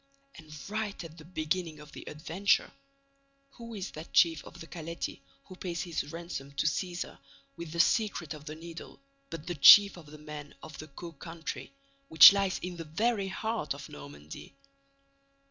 And right at the beginning of the adventure, who is that chief of the Caleti who pays his ransom to Cæsar with the secret of the Needle but the chief of the men of the Caux country, which lies in the very heart of _Normandy?